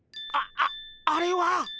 ああれは。